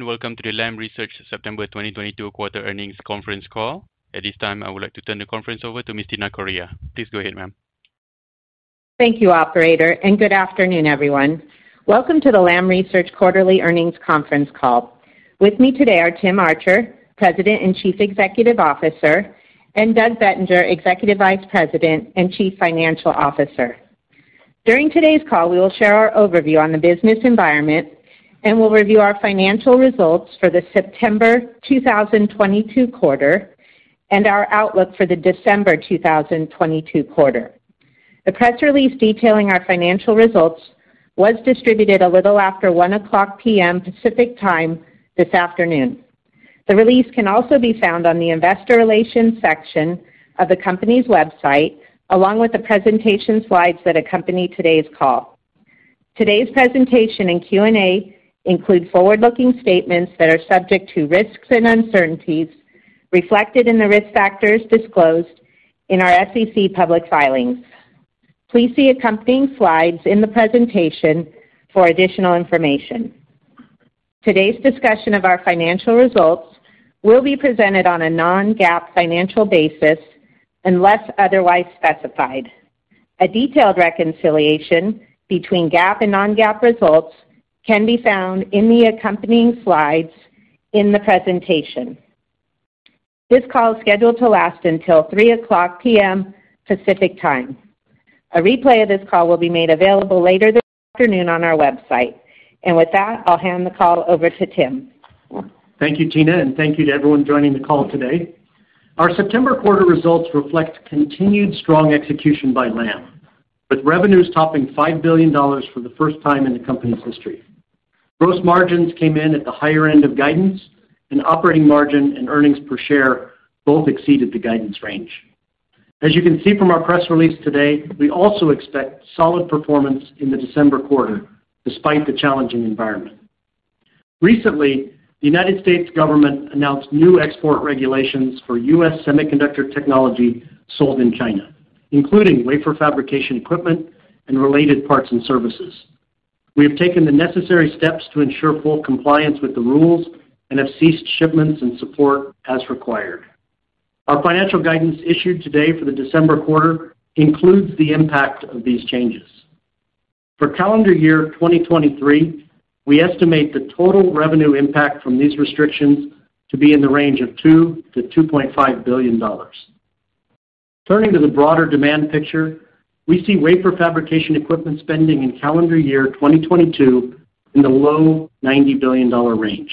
Welcome to the Lam Research September 2022 Quarter earnings Conference Call. At this time, I would like to turn the conference over to Miss Tina Correia. Please go ahead, ma'am. Thank you operator, and good afternoon everyone. Welcome to the Lam Research quarterly earnings conference call. With me today are Tim Archer, President and Chief Executive Officer, and Doug Bettinger, Executive Vice President and Chief Financial Officer. During today's call, we will share our overview on the business environment, and we'll review our financial results for the September 2022 quarter and our outlook for the December 2022 quarter. The press release detailing our financial results was distributed a little after 1:00 P.M. Pacific Time this afternoon. The release can also be found on the investor relations section of the company's website, along with the presentation slides that accompany today's call. Today's presentation and Q&A include forward-looking statements that are subject to risks and uncertainties reflected in the risk factors disclosed in our SEC public filings. Please see accompanying slides in the presentation for additional information. Today's discussion of our financial results will be presented on a non-GAAP financial basis, unless otherwise specified. A detailed reconciliation between GAAP and non-GAAP results can be found in the accompanying slides in the presentation. This call is scheduled to last until 3:00 P.M. Pacific Time. A replay of this call will be made available later this afternoon on our website. With that, I'll hand the call over to Tim. Thank you, Tina, and thank you to everyone joining the call today. Our September quarter results reflect continued strong execution by Lam, with revenues topping $5 billion for the first time in the company's history. Gross margins came in at the higher end of guidance, and operating margin and earnings per share both exceeded the guidance range. As you can see from our press release today, we also expect solid performance in the December quarter, despite the challenging environment. Recently, the United States government announced new export regulations for U.S. semiconductor technology sold in China, including wafer fabrication equipment and related parts and services. We have taken the necessary steps to ensure full compliance with the rules and have ceased shipments and support as required. Our financial guidance issued today for the December quarter includes the impact of these changes. For calendar year 2023, we estimate the total revenue impact from these restrictions to be in the range of $2billion-$2.5 billion. Turning to the broader demand picture, we see wafer fabrication equipment spending in calendar year 2022 in the low $90 billion range.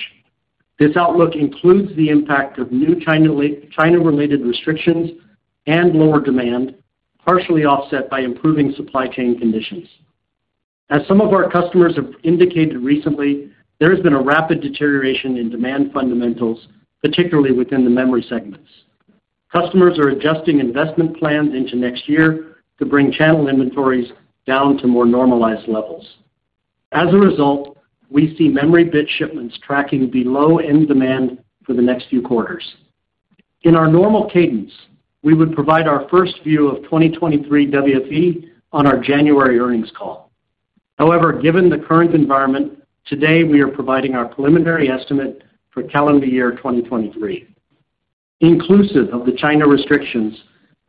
This outlook includes the impact of new China-related restrictions, and lower demand, partially offset by improving supply chain conditions. As some of our customers have indicated recently, there has been a rapid deterioration in demand fundamentals, particularly within the memory segments. Customers are adjusting investment plans into next year to bring channel inventories down to more normalized levels. As a result, we see memory bit shipments tracking below end demand for the next few quarters. In our normal cadence, we would provide our first view of 2023 WFE on our January earnings call. However, given the current environment, today we are providing our preliminary estimate for calendar year 2023. Inclusive of the China restrictions,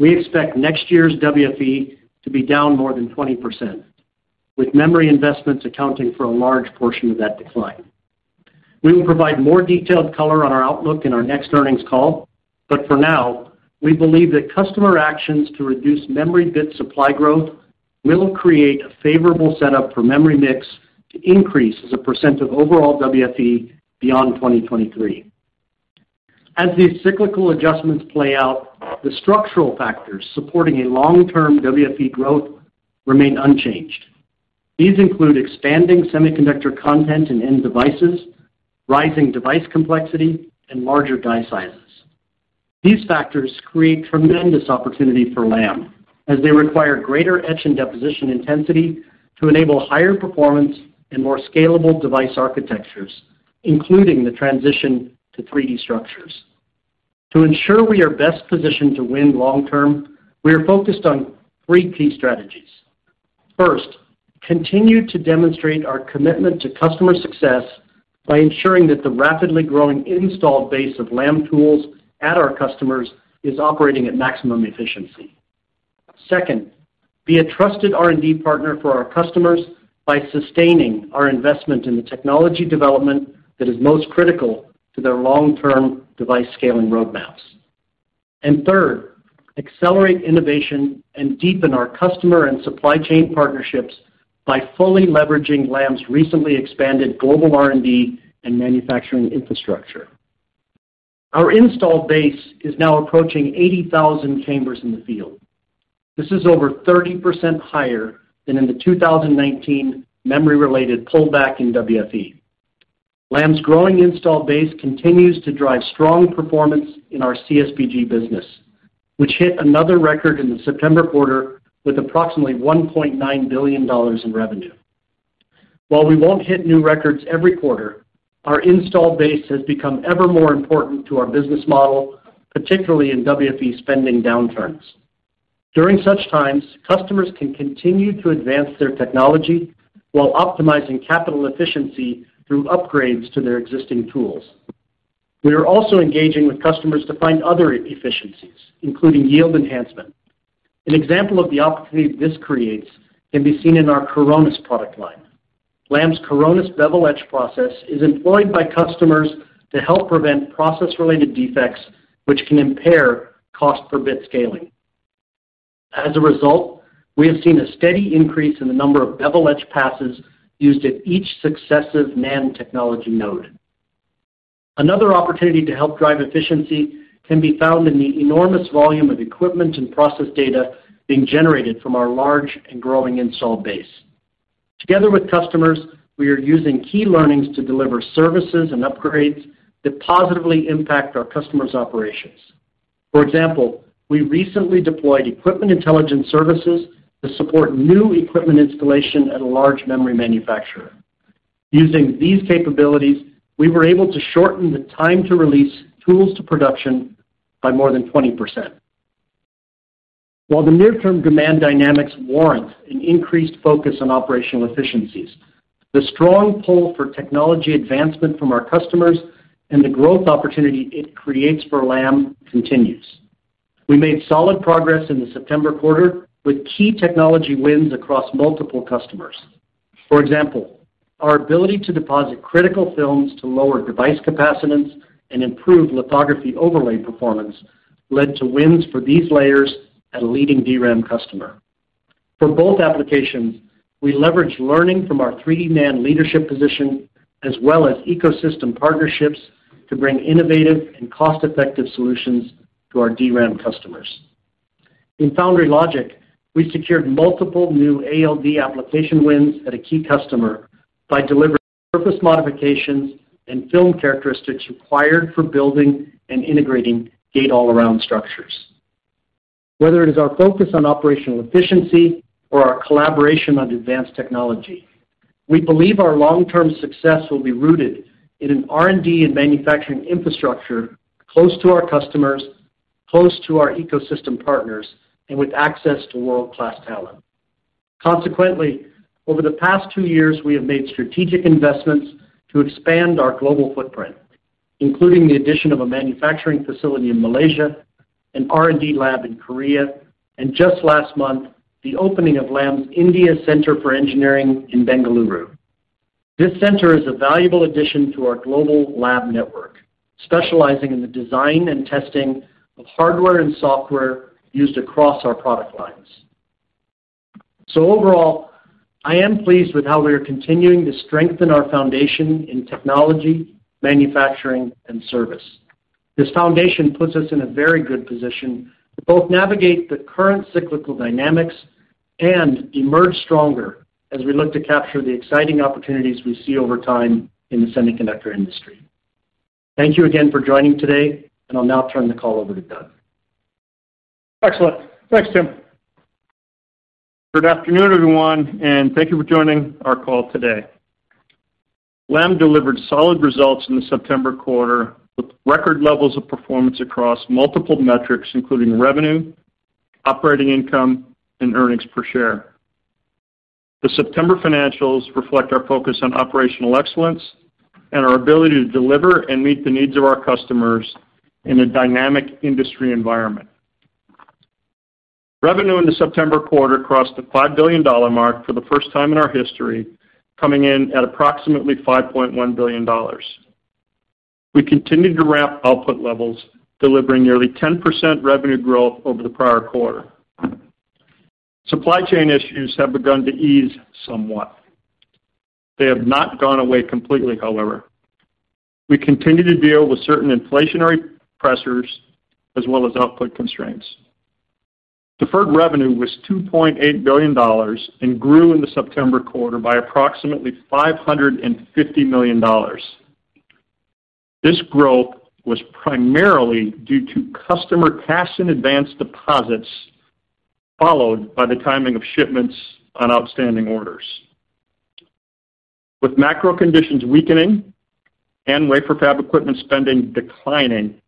we expect next year's WFE to be down more than 20%, with memory investments accounting for a large portion of that decline. We will provide more detailed color on our outlook in our next earnings call. For now, we believe that customer actions to reduce memory bit supply growth will create a favorable setup for memory mix to increase as a percent of overall WFE beyond 2023. As these cyclical adjustments play out, the structural factors supporting a long-term WFE growth remain unchanged. These include expanding semiconductor content in end devices, rising device complexity, and larger die sizes. These factors create tremendous opportunity for Lam, as they require greater etch and deposition intensity to enable higher performance and more scalable device architectures, including the transition to 3D structures. To ensure we are best positioned to win long-term, we are focused on three key strategies. First, continue to demonstrate our commitment to customer success by ensuring that the rapidly growing installed base of Lam tools at our customers is operating at maximum efficiency. Second, be a trusted R&D partner for our customers by sustaining our investment in the technology development that is most critical to their long-term device scaling roadmaps. Third, accelerate innovation and deepen our customer and supply chain partnerships by fully leveraging Lam's recently expanded global R&D and manufacturing infrastructure. Our installed base is now approaching 80,000 chambers in the field. This is over 30% higher than in the 2019 memory-related pullback in WFE. Lam's growing installed base continues to drive strong performance in our CSBG business, which hit another record in the September quarter with approximately $1.9 billion in revenue. While we won't hit new records every quarter, our installed base has become ever more important to our business model, particularly in WFE spending downturns. During such times, customers can continue to advance their technology while optimizing capital efficiency through upgrades to their existing tools. We are also engaging with customers to find other efficiencies, including yield enhancement. An example of the opportunity this creates can be seen in our Coronus product line. Lam's Coronus bevel etch process is employed by customers to help prevent process-related defects, which can impair cost per bit scaling. As a result, we have seen a steady increase in the number of bevel etch passes used at each successive NAND technology node. Another opportunity to help drive efficiency can be found in the enormous volume of equipment and process data being generated from our large and growing installed base. Together with customers, we are using key learnings to deliver services and upgrades that positively impact our customers' operations. For example, we recently deployed Equipment Intelligence services to support new equipment installation at a large memory manufacturer. Using these capabilities, we were able to shorten the time to release tools to production by more than 20%. While the near-term demand dynamics warrant an increased focus on operational efficiencies, the strong pull for technology advancement from our customers and the growth opportunity it creates for Lam continues. We made solid progress in the September quarter with key technology wins across multiple customers. For example, our ability to deposit critical films to lower device capacitance and improve lithography overlay performance led to wins for these layers at a leading DRAM customer. For both applications, we leveraged learning from our three-D NAND leadership position as well as ecosystem partnerships to bring innovative and cost-effective solutions to our DRAM customers. In Foundry Logic, we secured multiple new ALD application wins at a key customer by delivering surface modifications and film characteristics required for building and integrating Gate-All-Around structures. Whether it is our focus on operational efficiency or our collaboration on advanced technology, we believe our long-term success will be rooted in an R&D and manufacturing infrastructure close to our customers, close to our ecosystem partners, and with access to world-class talent. Consequently, over the past two years, we have made strategic investments to expand our global footprint, including the addition of a manufacturing facility in Malaysia, an R&D lab in Korea, and just last month, the opening of Lam's India Center for Engineering in Bengaluru. This center is a valuable addition to our global lab network, specializing in the design and testing of hardware and software used across our product lines. Overall, I am pleased with how we are continuing to strengthen our foundation in technology, manufacturing, and service. This foundation puts us in a very good position to both navigate the current cyclical dynamics and emerge stronger as we look to capture the exciting opportunities we see over time in the semiconductor industry. Thank you again for joining today, and I'll now turn the call over to Doug. Excellent. Thanks, Tim. Good afternoon, everyone, and thank you for joining our call today. Lam delivered solid results in the September quarter with record levels of performance across multiple metrics, including revenue, operating income, and earnings per share. The September financials reflect our focus on operational excellence and our ability to deliver and meet the needs of our customers in a dynamic industry environment. Revenue in the September quarter crossed the $5 billion mark for the first time in our history, coming in at approximately $5.1 billion. We continued to ramp output levels, delivering nearly 10% revenue growth over the prior quarter. Supply chain issues have begun to ease somewhat. They have not gone away completely, however. We continue to deal with certain inflationary pressures as well as output constraints. Deferred revenue was $2.8 billion and grew in the September quarter by approximately $550 million. This growth was primarily due to customer cash and advance deposits, followed by the timing of shipments on outstanding orders. With macro conditions weakening and wafer fab equipment spending declining,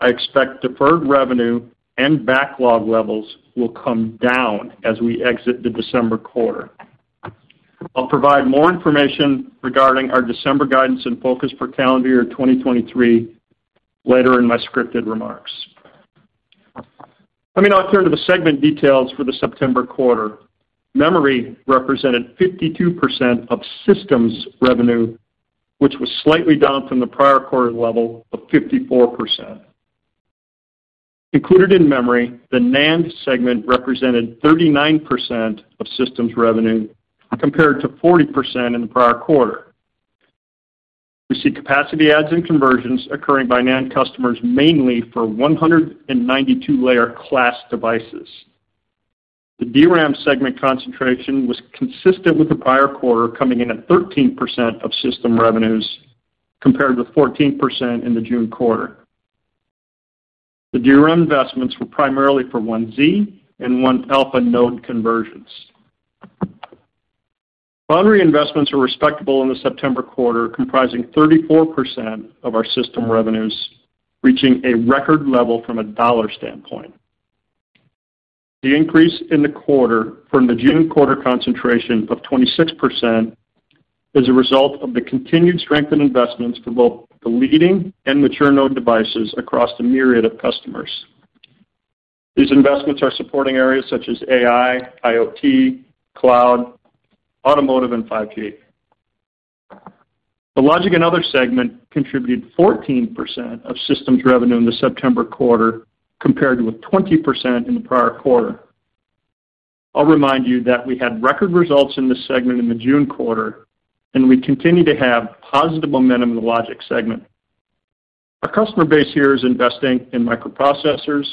I expect deferred revenue and backlog levels will come down as we exit the December quarter. I'll provide more information regarding our December guidance and focus for calendar year 2023 later in my scripted remarks. Let me now turn to the segment details for the September quarter. Memory represented 52% of systems revenue, which was slightly down from the prior quarter level of 54%. Included in memory, the NAND segment represented 39% of systems revenue, compared to 40% in the prior quarter. We see capacity adds and conversions occurring by NAND customers mainly for 192-layer class devices. The DRAM segment concentration was consistent with the prior quarter, coming in at 13% of system revenues, compared with 14% in the June quarter. The DRAM investments were primarily for 1Z and 1-alpha node conversions. Foundry investments are respectable in the September quarter, comprising 34% of our system revenues, reaching a record level from a dollar standpoint. The increase in the quarter from the June quarter concentration of 26% is a result of the continued strength in investments for both the leading and mature node devices across the myriad of customers. These investments are supporting areas such as AI, IoT, cloud, automotive, and 5G. The logic and other segment contributed 14% of systems revenue in the September quarter, compared with 20% in the prior quarter. I'll remind you that we had record results in this segment in the June quarter, and we continue to have positive momentum in the logic segment. Our customer base here is investing in microprocessors,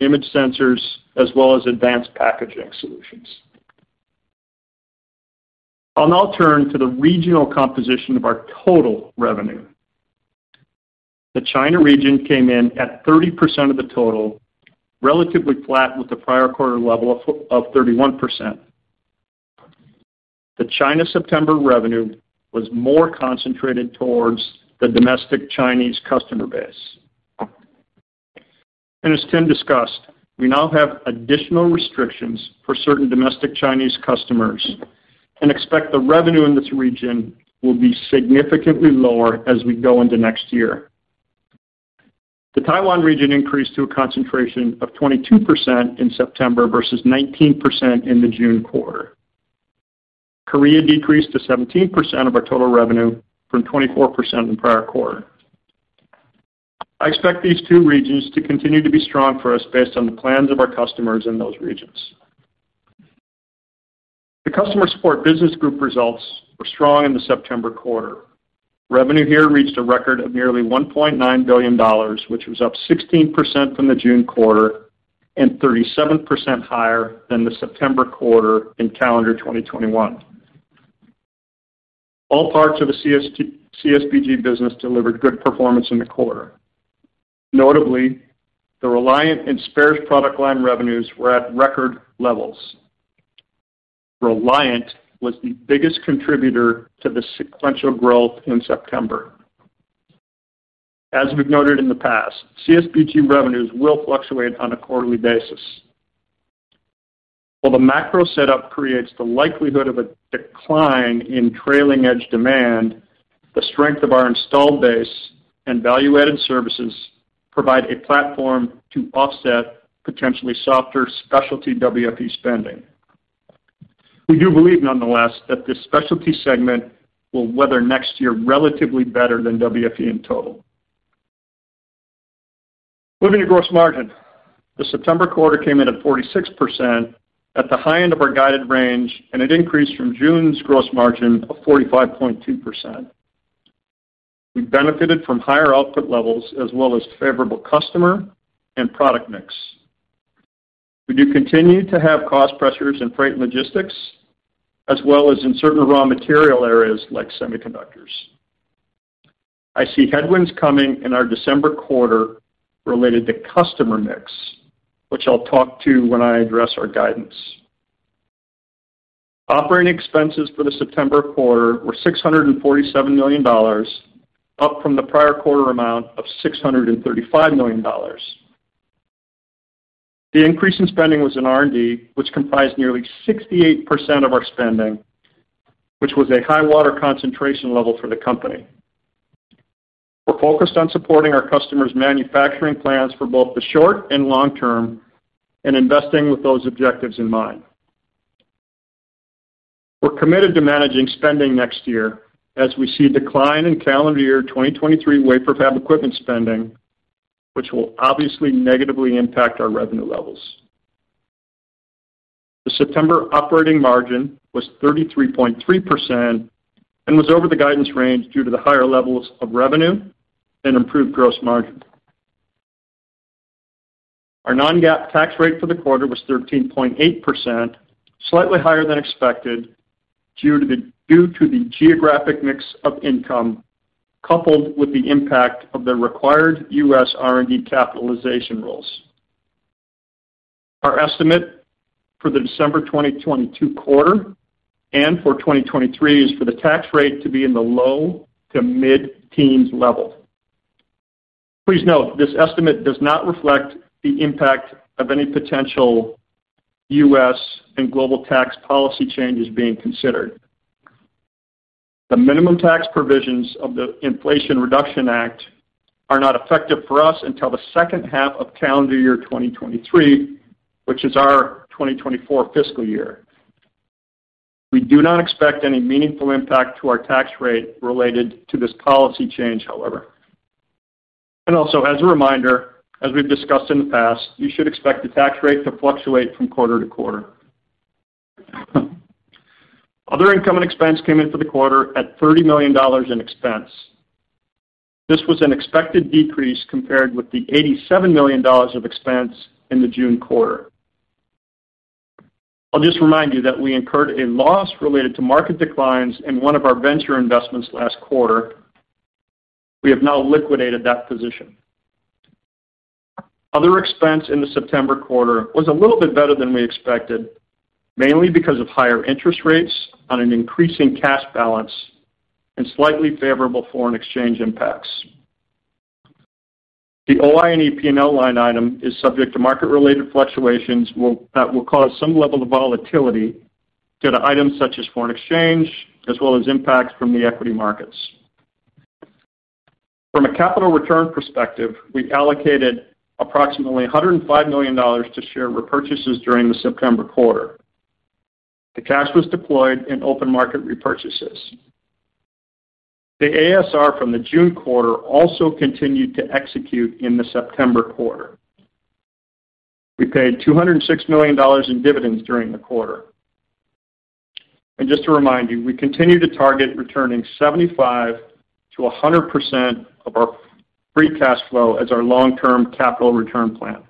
image sensors, as well as advanced packaging solutions. I'll now turn to the regional composition of our total revenue. The China region came in at 30% of the total, relatively flat with the prior quarter level of 31%. The China September revenue was more concentrated towards the domestic Chinese customer base. As Tim discussed, we now have additional restrictions for certain domestic Chinese customers and expect the revenue in this region will be significantly lower as we go into next year. The Taiwan region increased to a concentration of 22% in September versus 19% in the June quarter. Korea decreased to 17% of our total revenue from 24% in the prior quarter. I expect these two regions to continue to be strong for us based on the plans of our customers in those regions. The customer support business group results were strong in the September quarter. Revenue here reached a record of nearly $1.9 billion, which was up 16% from the June quarter and 37% higher than the September quarter in calendar 2021. All parts of the CSBG business delivered good performance in the quarter. Notably, the Reliant and spares product line revenues were at record levels. Reliant was the biggest contributor to the sequential growth in September. As we've noted in the past, CSBG revenues will fluctuate on a quarterly basis. While the macro setup creates the likelihood of a decline in trailing-edge demand, the strength of our installed base and value-added services provide a platform to offset potentially softer specialty WFE spending. We do believe, nonetheless, that this specialty segment will weather next year relatively better than WFE in total. Moving to gross margin. The September quarter came in at 46% at the high end of our guided range, and it increased from June's gross margin of 45.2%. We benefited from higher output levels as well as favorable customer and product mix. We do continue to have cost pressures in freight and logistics, as well as in certain raw material areas like semiconductors. I see headwinds coming in our December quarter related to customer mix, which I'll talk to when I address our guidance. Operating expenses for the September quarter were $647 million, up from the prior quarter amount of $635 million. The increase in spending was in R&D, which comprised nearly 68% of our spending, which was a high-water mark concentration level for the company. We're focused on supporting our customers' manufacturing plans for both the short and long term and investing with those objectives in mind. We're committed to managing spending next year as we see a decline in calendar year 2023 wafer fab equipment spending, which will obviously negatively impact our revenue levels. The September operating margin was 33.3% and was over the guidance range due to the higher levels of revenue and improved gross margin. Our non-GAAP tax rate for the quarter was 13.8%, slightly higher than expected, due to the geographic mix of income, coupled with the impact of the required U.S. R&D capitalization rules. Our estimate for the December 2022 quarter and for 2023 is for the tax rate to be in the low to mid-teens level. Please note this estimate does not reflect the impact of any potential U.S. and global tax policy changes being considered. The minimum tax provisions of the Inflation Reduction Act are not effective for us until the second half of calendar year 2023, which is our 2024 fiscal year. We do not expect any meaningful impact to our tax rate related to this policy change, however. Also, as a reminder, as we've discussed in the past, you should expect the tax rate to fluctuate from quarter to quarter. Other income and expense came in for the quarter at $30 million in expense. This was an expected decrease compared with the $87 million of expense in the June quarter. I'll just remind you that we incurred a loss related to market declines in one of our venture investments last quarter. We have now liquidated that position. Other expense in the September quarter was a little bit better than we expected, mainly because of higher interest rates on an increasing cash balance and slightly favorable foreign exchange impacts. The OI&E line item is subject to market-related fluctuations that will cause some level of volatility to the items such as foreign exchange as well as impacts from the equity markets. From a capital return perspective, we allocated approximately $105 million to share repurchases during the September quarter. The cash was deployed in open market repurchases. The ASR from the June quarter also continued to execute in the September quarter. We paid $206 million in dividends during the quarter. Just to remind you, we continue to target returning 75%-100% of our free cash flow as our long-term capital return plan.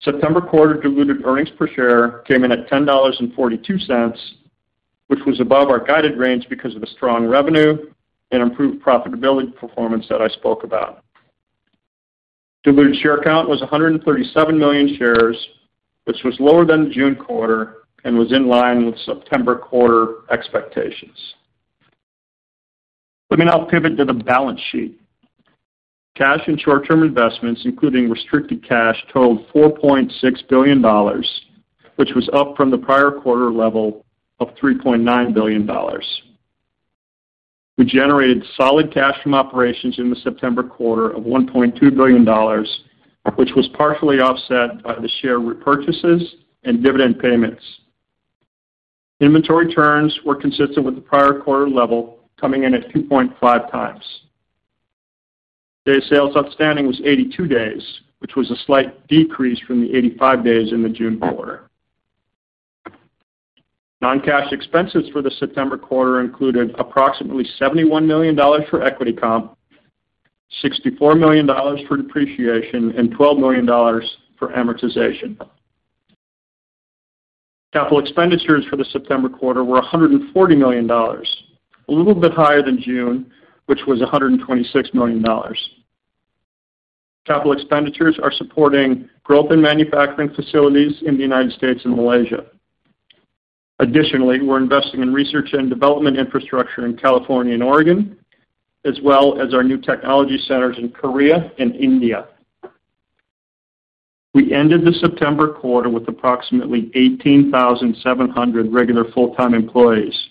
September quarter diluted earnings per share came in at $10.42, which was above our guided range because of the strong revenue and improved profitability performance that I spoke about. Diluted share count was 137 million shares, which was lower than the June quarter and was in line with September quarter expectations. Let me now pivot to the balance sheet. Cash and short-term investments, including restricted cash, totaled $4.6 billion, which was up from the prior quarter level of $3.9 billion. We generated solid cash from operations in the September quarter of $1.2 billion, which was partially offset by the share repurchases and dividend payments. Inventory turns were consistent with the prior quarter level, coming in at 2.5x. Day sales outstanding was 82 days, which was a slight decrease from the 85 days in the June quarter. Non-cash expenses for the September quarter included approximately $71 million for equity comp, $64 million for depreciation, and $12 million for amortization. Capital expenditures for the September quarter were $140 million, a little bit higher than June, which was $126 million. Capital expenditures are supporting growth in manufacturing facilities in the United States and Malaysia. Additionally, we're investing in research and development infrastructure in California and Oregon, as well as our new technology centers in Korea and India. We ended the September quarter with approximately 18,700 regular full-time employees,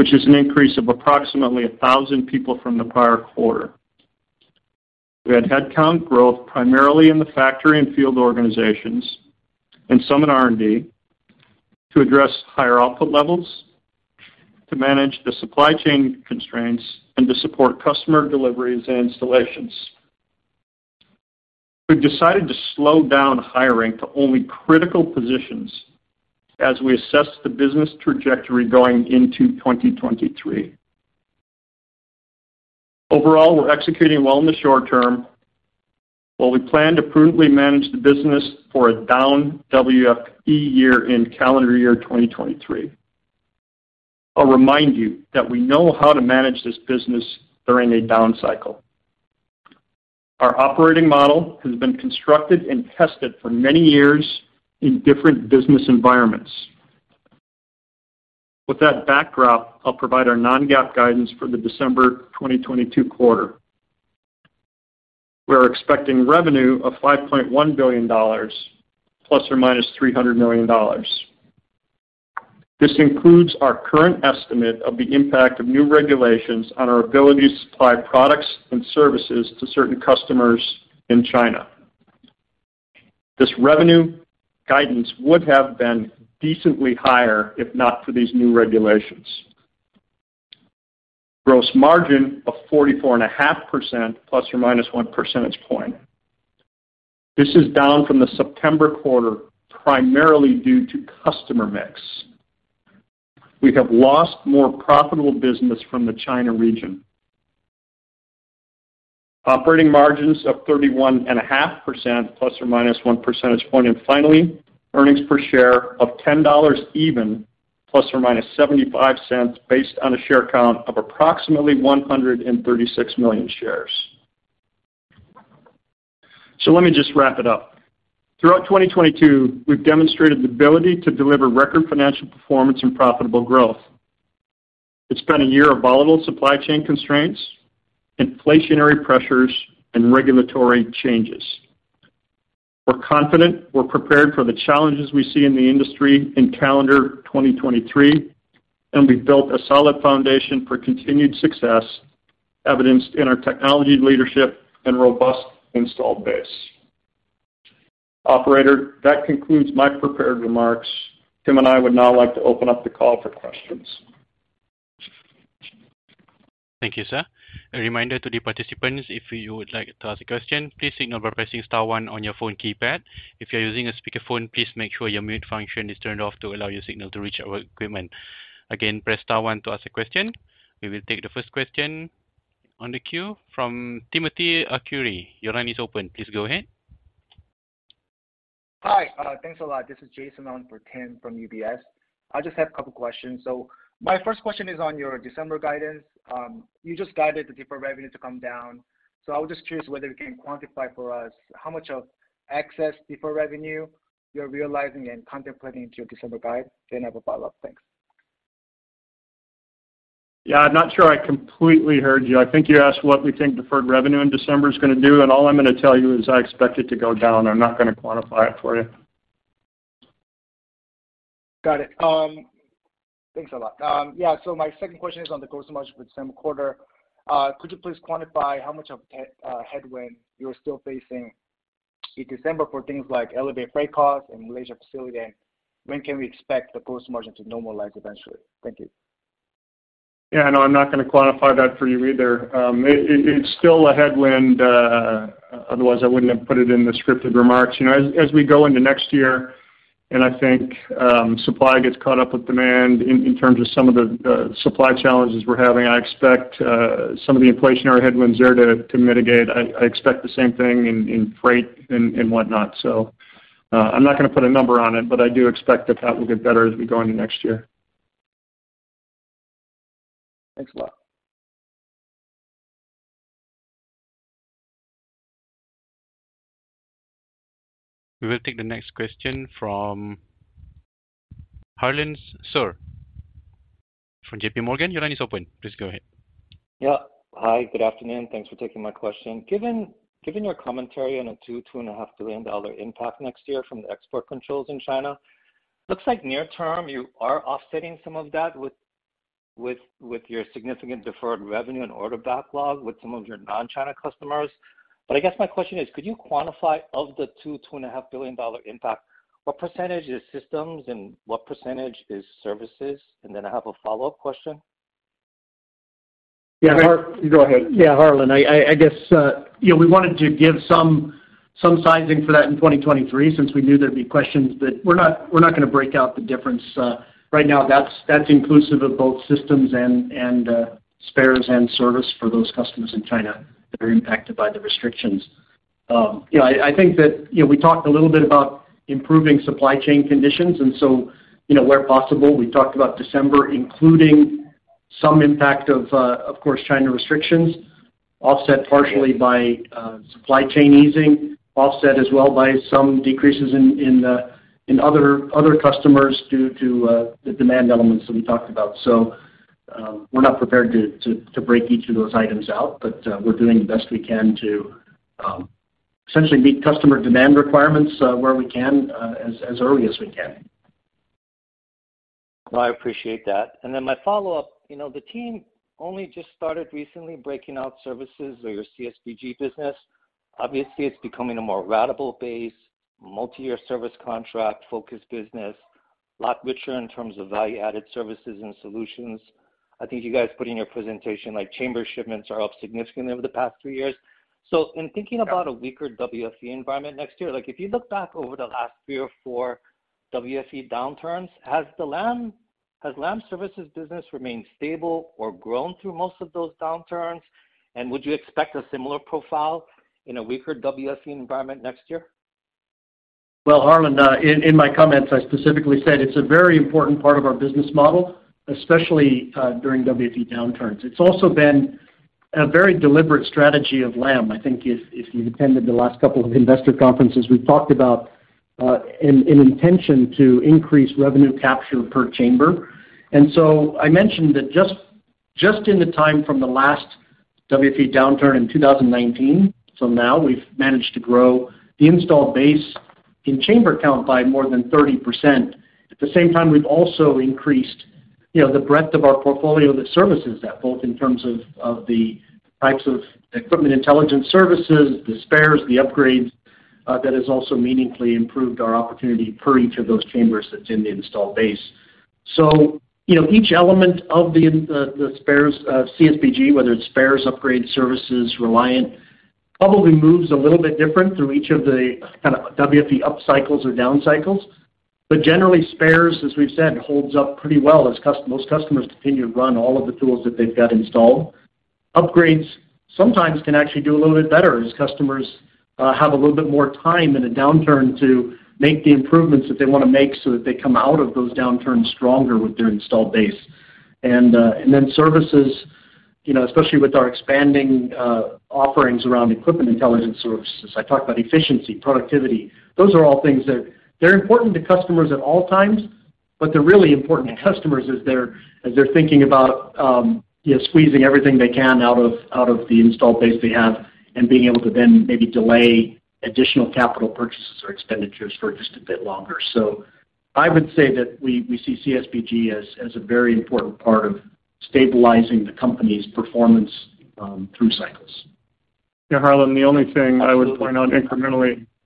which is an increase of approximately 1,000 people from the prior quarter. We had headcount growth primarily in the factory and field organizations and some in R&D to address higher output levels, to manage the supply chain constraints, and to support customer deliveries and installations. We've decided to slow down hiring to only critical positions as we assess the business trajectory going into 2023. Overall, we're executing well in the short term, while we plan to prudently manage the business for a down WFE year in calendar year 2023. I'll remind you that we know how to manage this business during a down cycle. Our operating model has been constructed and tested for many years in different business environments. With that backdrop, I'll provide our non-GAAP guidance for the December 2022 quarter. We are expecting revenue of $5.1 billion ±$300 million. This includes our current estimate of the impact of new regulations on our ability to supply products and services to certain customers in China. This revenue guidance would have been decently higher if not for these new regulations. Gross margin of 44.5% ±1 percentage point. This is down from the September quarter, primarily due to customer mix. We have lost more profitable business from the China region. Operating margins of 31.5% ±1 percentage point. Finally, earnings per share of $10 even ±$0.75, based on a share count of approximately 136 million shares. Let me just wrap it up. Throughout 2022, we've demonstrated the ability to deliver record financial performance and profitable growth. It's been a year of volatile supply chain constraints, inflationary pressures, and regulatory changes. We're confident we're prepared for the challenges we see in the industry in calendar 2023, and we've built a solid foundation for continued success, evidenced in our technology leadership and robust installed base. Operator, that concludes my prepared remarks. Tim and I would now like to open up the call for questions. Thank you, sir. A reminder to the participants, if you would like to ask a question, please signal by pressing star one on your phone keypad. If you're using a speakerphone, please make sure your mute function is turned off to allow your signal to reach our equipment. Again, press star one to ask a question. We will take the first question on the queue from Timothy Arcuri. Your line is open. Please go ahead. Hi, thanks a lot. This is Timothy Arcuri for Tim from UBS. I just have a couple questions. My first question is on your December guidance. You just guided the deferred revenue to come down. I was just curious whether you can quantify for us how much of excess deferred revenue you're realizing and contemplating into your December guide. Then I have a follow-up. Thanks. Yeah, I'm not sure I completely heard you. I think you asked what we think deferred revenue in December is gonna do, and all I'm gonna tell you is I expect it to go down. I'm not gonna quantify it for you. Got it. Thanks a lot. Yeah, my second question is on the gross margin for December quarter. Could you please quantify how much of a headwind you're still facing in December for things like elevated freight costs and Malaysia facility, and when can we expect the gross margin to normalize eventually? Thank you. Yeah, no, I'm not gonna quantify that for you either. It's still a headwind, otherwise I wouldn't have put it in the scripted remarks. You know, as we go into next year, and I think, supply gets caught up with demand in terms of some of the supply challenges we're having, I expect some of the inflationary headwinds there to mitigate. I expect the same thing in freight and whatnot. I'm not gonna put a number on it, but I do expect that will get better as we go into next year. Thanks a lot. We will take the next question from Harlan Sur from J.P. Morgan. Your line is open. Please go ahead. Yeah. Hi, good afternoon. Thanks for taking my question. Given your commentary on a $2.5 billion impact next year from the export controls in China, looks like near term you are offsetting some of that with your significant deferred revenue and order backlog with some of your non-China customers. But I guess my question is, could you quantify, of the $2.5 billion impact, what percentage is systems and what percentage is services? And then I have a follow-up question. Yeah, Harlan. Go ahead. Yeah, Harlan Sur, I guess, you know, we wanted to give some sizing for that in 2023, since we knew there'd be questions, but we're not gonna break out the difference. Right now, that's inclusive of both systems and spares and service for those customers in China that are impacted by the restrictions. You know, I think that, you know, we talked a little bit about improving supply chain conditions, and so, you know, where possible, we talked about December including some impact of course, China restrictions, offset partially by supply chain easing, offset as well by some decreases in other customers due to the demand elements that we talked about. We're not prepared to break each of those items out, but we're doing the best we can to essentially meet customer demand requirements where we can as early as we can. No, I appreciate that. Then my follow-up, you know, the team only just started recently breaking out services or your CSBG business. Obviously, it's becoming a more ratable base, multi-year service contract-focused business, a lot richer in terms of value-added services and solutions. I think you guys put in your presentation like chamber shipments are up significantly over the past three years. In thinking about a weaker WFE environment next year, like if you look back over the last three or four WFE downturns, has Lam's services business remained stable or grown through most of those downturns? Would you expect a similar profile in a weaker WFE environment next year? Well, Harlan, in my comments, I specifically said it's a very important part of our business model, especially during WFE downturns. It's also been a very deliberate strategy of Lam. I think if you attended the last couple of investor conferences, we've talked about an intention to increase revenue capture per chamber. I mentioned that just in the time from the last WFE downturn in 2019 till now, we've managed to grow the installed base in chamber count by more than 30%. At the same time, we've also increased, you know, the breadth of our portfolio that services that, both in terms of the types of Equipment Intelligence services, the spares, the upgrades, that has also meaningfully improved our opportunity per each of those chambers that's in the installed base. You know, each element of the spares, CSBG, whether it's spares, upgrades, services, Reliant, probably moves a little bit different through each of the kind of WFE up cycles or down cycles. Generally, spares, as we've said, holds up pretty well as most customers continue to run all of the tools that they've got installed. Upgrades sometimes can actually do a little bit better as customers have a little bit more time in a downturn to make the improvements that they wanna make so that they come out of those downturns stronger with their installed base. Then services, you know, especially with our expanding offerings around Equipment Intelligence services, I talked about efficiency, productivity, those are all things that they're important to customers at all times, but they're really important to customers as they're thinking about, you know, squeezing everything they can out of the installed base they have and being able to then maybe delay additional capital purchases or expenditures for just a bit longer. I would say that we see CSBG as a very important part of stabilizing the company's performance through cycles. Yeah, Harlan Sur,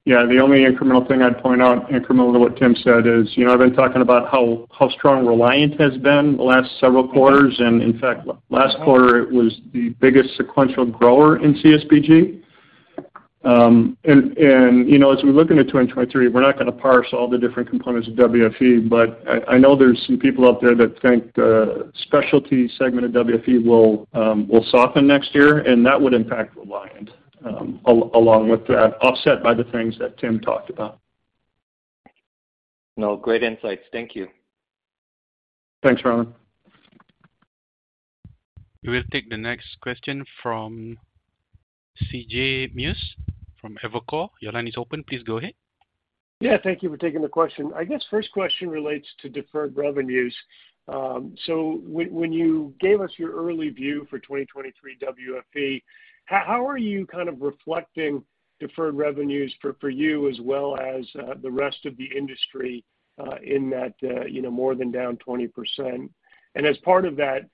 the only incremental thing I'd point out incremental to what Tim Archer said is, you know, I've been talking about how strong Reliant has been the last several quarters, and in fact, last quarter it was the biggest sequential grower in CSBG. You know, as we look into 2023, we're not gonna parse all the different components of WFE, but I know there's some people out there that think the specialty segment of WFE will soften next year, and that would impact Reliant, along with that, offset by the things that Tim Archer talked about. No, great insights. Thank you. Thanks, Harlan. We'll take the next question from C.J. Muse from Evercore. Your line is open. Please go ahead. Yeah, thank you for taking the question. I guess first question relates to deferred revenues. So when you gave us your early view for 2023 WFE, how are you kind of reflecting deferred revenues for you as well as the rest of the industry in that you know more than down 20%? As part of that,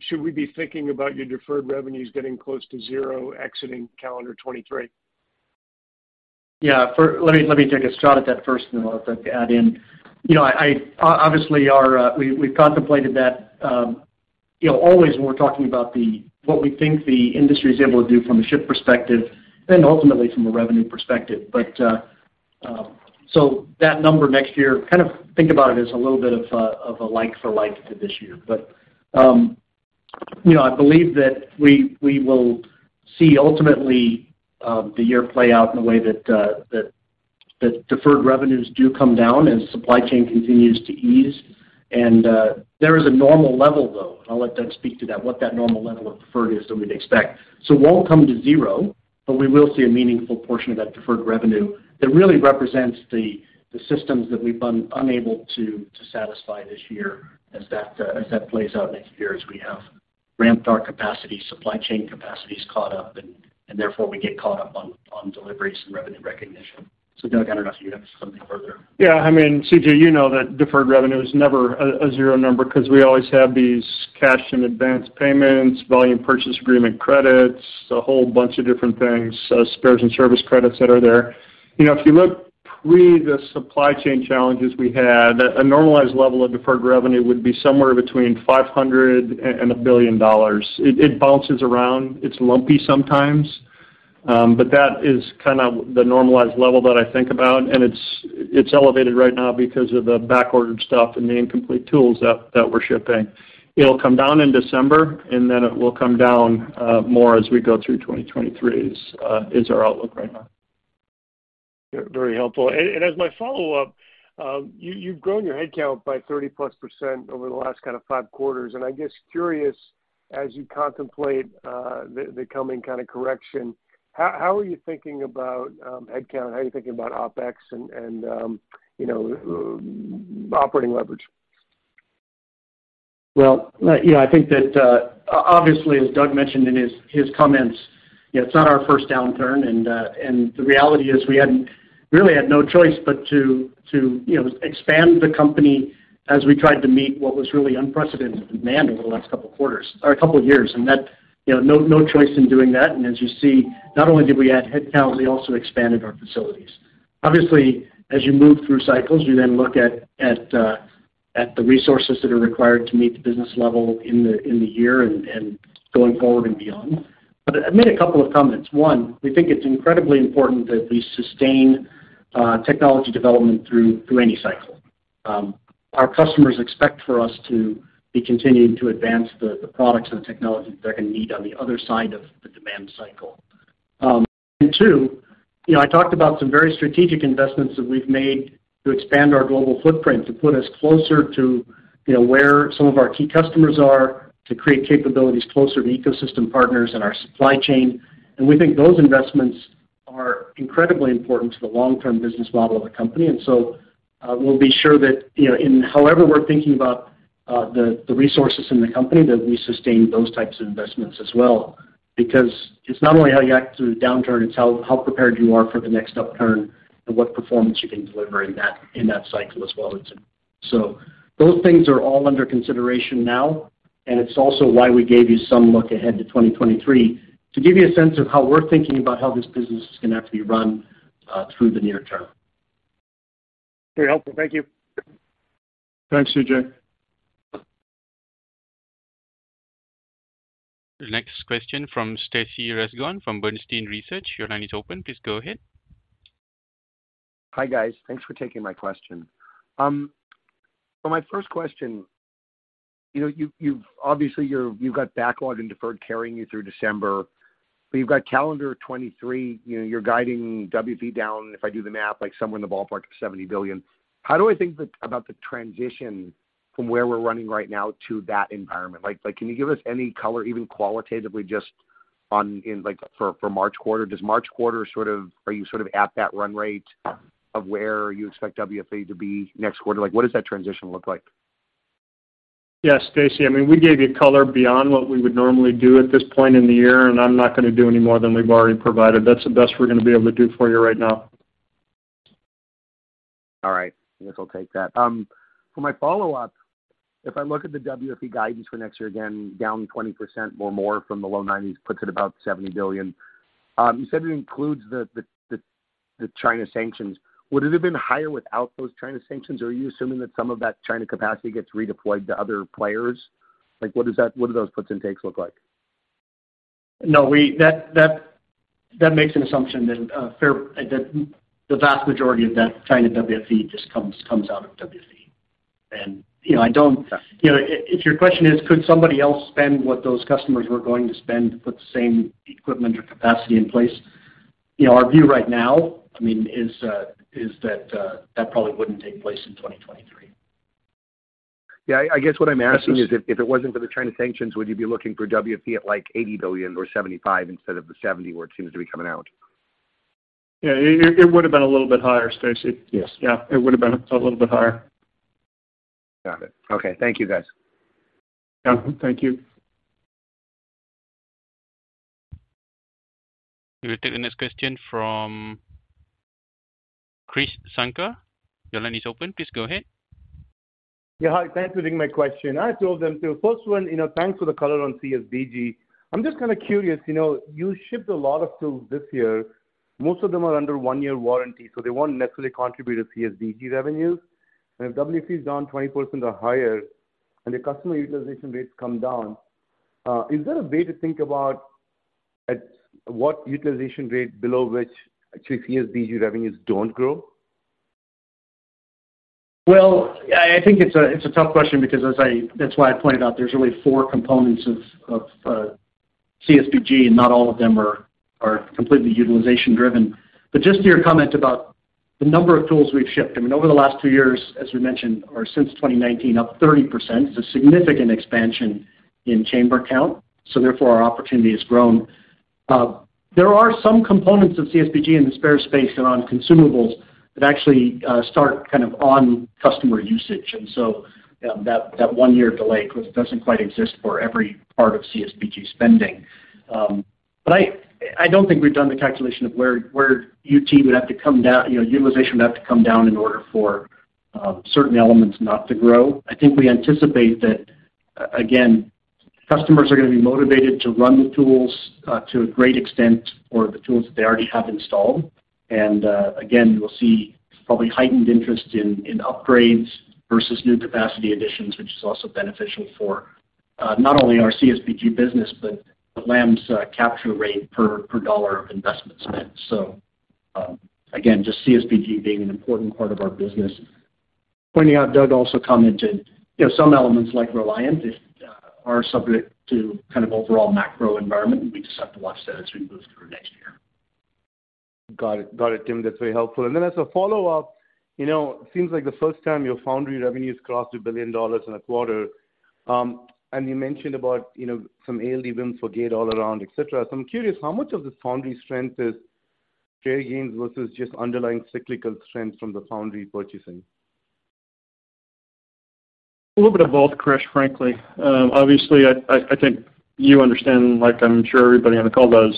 should we be thinking about your deferred revenues getting close to zero exiting calendar 2023? Yeah. Let me take a shot at that first and then let Doug add in. You know, I obviously, we've contemplated that, you know, always when we're talking about what we think the industry is able to do from a chip perspective, then ultimately from a revenue perspective. So that number next year, kind of think about it as a little bit of a like for like to this year. You know, I believe that we will see ultimately the year play out in a way that deferred revenues do come down as supply chain continues to ease. There is a normal level, though, and I'll let Doug speak to that, what that normal level of deferred is that we'd expect. It won't come to zero, but we will see a meaningful portion of that deferred revenue that really represents the systems that we've been unable to satisfy this year as that plays out next year as we have ramped our capacity, supply chain capacity's caught up, and therefore we get caught up on deliveries and revenue recognition. Doug, I don't know if you'd have something further. Yeah, I mean, C.J., you know that deferred revenue is never a zero number 'cause we always have these cash and advance payments, volume purchase agreement credits, a whole bunch of different things, spares and service credits that are there. You know, if you look pre the supply chain challenges we had, a normalized level of deferred revenue would be somewhere between $500 million and $1 billion. It bounces around. It's lumpy sometimes. But that is kind of the normalized level that I think about, and it's elevated right now because of the back-ordered stuff and the incomplete tools that we're shipping. It'll come down in December, and then it will come down more as we go through 2023, which is our outlook right now. Very helpful. As my follow-up, you've grown your headcount by 30%+ over the last kind of five quarters, and I'm curious, as you contemplate the coming kind of correction, how are you thinking about headcount? How are you thinking about OpEx and you know, operating leverage? Well, you know, I think that, obviously as Doug mentioned in his comments, you know, it's not our first downturn. The reality is we really had no choice but to you know, expand the company as we tried to meet what was really unprecedented demand over the last couple quarters or couple years. That, you know, no choice in doing that. As you see, not only did we add headcount, we also expanded our facilities. Obviously, as you move through cycles, you then look at the resources that are required to meet the business level in the year and going forward and beyond. I'll make a couple of comments. One, we think it's incredibly important that we sustain technology development through any cycle. Our customers expect for us to be continuing to advance the products and the technology they're gonna need on the other side of the demand cycle. Two, you know, I talked about some very strategic investments that we've made to expand our global footprint, to put us closer to, you know, where some of our key customers are, to create capabilities closer to ecosystem partners and our supply chain. We think those investments are incredibly important to the long-term business model of the company. We'll be sure that, you know, in however we're thinking about the resources in the company, that we sustain those types of investments as well. Because it's not only how you act through the downturn, it's how prepared you are for the next upturn and what performance you can deliver in that cycle as well. Those things are all under consideration now, and it's also why we gave you some look ahead to 2023 to give you a sense of how we're thinking about how this business is gonna have to be run through the near term. Very helpful. Thank you. Thanks, C.J. The next question from Stacy Rasgon from Bernstein Research, your line is open. Please go ahead. Hi, guys. Thanks for taking my question. For my first question, you know, you've obviously got backlog and deferred carrying you through December, but you've got calendar 2023, you know, you're guiding WFE down, if I do the math, like somewhere in the ballpark of $70 billion. How do I think about the transition from where we're running right now to that environment? Like, can you give us any color, even qualitatively, just on, like for March quarter? Are you sort of at that run rate of where you expect WFE to be next quarter? Like, what does that transition look like? Yeah, Stacy, I mean, we gave you color beyond what we would normally do at this point in the year, and I'm not gonna do any more than we've already provided. That's the best we're gonna be able to do for you right now. All right. I guess I'll take that. For my follow-up, if I look at the WFE guidance for next year, again, down 20% or more from the low 90s, puts it about $70 billion. You said it includes the China sanctions. Would it have been higher without those China sanctions, or are you assuming that some of that China capacity gets redeployed to other players? Like, what do those puts and takes look like? No, that makes an assumption that the vast majority of that China WFE just comes out of WFE. You know, if your question is, could somebody else spend what those customers were going to spend to put the same equipment or capacity in place? You know, our view right now, I mean, is that probably wouldn't take place in 2023. Yeah, I guess what I'm asking is if it wasn't for the China sanctions, would you be looking for WFE at, like, $80 billion or $75 billion instead of the $70 billion where it seems to be coming out? Yeah, it would have been a little bit higher, Stacy. Yes. Yeah, it would have been a little bit higher. Got it. Okay. Thank you, guys. Yeah. Thank you. We'll take the next question from Krish Sankar. Your line is open. Please go ahead. Yeah. Hi. Thanks for taking my question. I have two of them too. First one, you know, thanks for the color on CSBG. I'm just kind of curious, you know, you shipped a lot of tools this year. Most of them are under one year warranty, so they won't necessarily contribute to CSBG revenues. If WFE is down 20% or higher and the customer utilization rates come down, is there a way to think about at what utilization rate below which actually CSBG revenues don't grow? Well, I think it's a tough question because as I pointed out there's really four components of CSBG, and not all of them are completely utilization driven. But just to your comment about the number of tools we've shipped, I mean, over the last two years, as we mentioned, or since 2019, up 30%. It's a significant expansion in chamber count, so therefore, our opportunity has grown. There are some components of CSBG in the spare space and on consumables that actually start kind of on customer usage. You know, that one year delay doesn't quite exist for every part of CSBG spending. I don't think we've done the calculation of where UT would have to come down, you know, utilization would have to come down in order for certain elements not to grow. I think we anticipate that again, customers are gonna be motivated to run the tools to a great extent, or the tools that they already have installed. Again, you will see probably heightened interest in upgrades versus new capacity additions, which is also beneficial for not only our CSBG business, but Lam's capture rate per dollar of investment spent. Again, just CSBG being an important part of our business. Pointing out, Doug also commented, you know, some elements like Reliant are subject to kind of overall macro environment, and we just have to watch that as we move through next year. Got it, Tim. That's very helpful. As a follow-up, you know, it seems like the first time your foundry revenues crossed $1 billion in a quarter, and you mentioned about, you know, some ALD wins for Gate-All-Around, et cetera. I'm curious how much of the foundry strength is share gains versus just underlying cyclical strength from the foundry purchasing? A little bit of both, Krish, frankly. Obviously, I think you understand, like I'm sure everybody on the call does,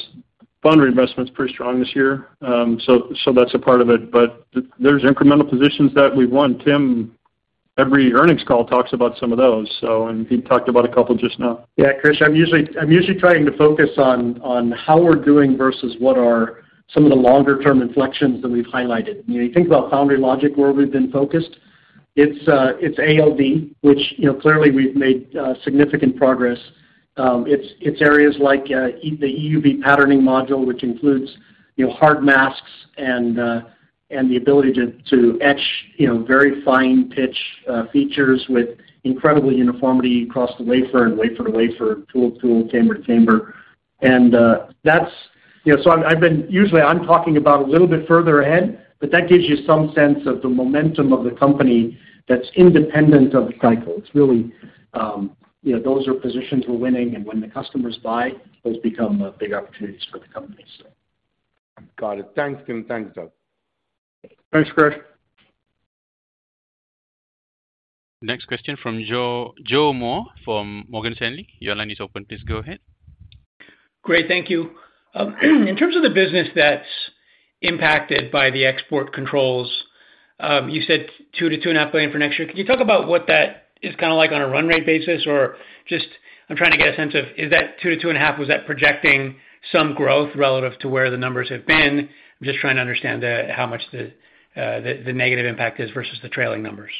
foundry investment's pretty strong this year. That's a part of it. There's incremental positions that we've won. Tim, every earnings call, talks about some of those, and he talked about a couple just now. Yeah, Krish Sankar, I'm usually trying to focus on how we're doing versus what are some of the longer term inflections that we've highlighted. You know, you think about Foundry Logic, where we've been focused. It's ALD, which, you know, clearly we've made significant progress. It's areas like the EUV patterning module, which includes, you know, hard masks and the ability to etch, you know, very fine pitch features with incredible uniformity across the wafer and wafer to wafer, tool to tool, chamber to chamber. That's you know, usually I'm talking about a little bit further ahead, but that gives you some sense of the momentum of the company that's independent of the cycle. It's really, you know, those are positions we're winning, and when the customers buy, those become big opportunities for the company, so. Got it. Thanks, Tim. Thanks, Doug. Thanks, Krish. Next question from Joe Moore from Morgan Stanley. Your line is open. Please go ahead. Great. Thank you. In terms of the business that's impacted by the export controls, you said $2 billion-$2.5 billion for next year. Can you talk about what that is kinda like on a run rate basis? Or just I'm trying to get a sense of is that $2 billion-$2.5 billion, was that projecting some growth relative to where the numbers have been? I'm just trying to understand the, how much the negative impact is versus the trailing numbers.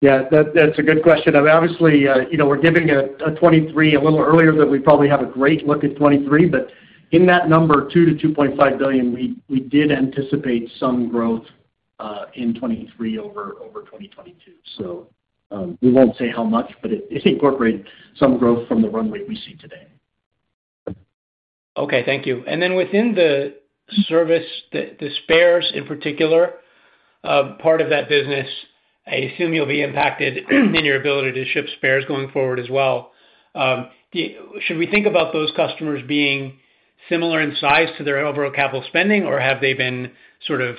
Yeah, that's a good question. I mean, obviously, you know, we're giving a 2023 a little earlier than we probably have a great look at 2023, but in that number $2 billion-$2.5 billion, we did anticipate some growth in 2023 over 2022. We won't say how much, but it incorporated some growth from the runway we see today. Okay. Thank you. Within the service, the spares in particular, part of that business, I assume you'll be impacted in your ability to ship spares going forward as well. Should we think about those customers being similar in size to their overall capital spending, or have they been sort of